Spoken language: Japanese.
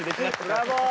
ブラボー！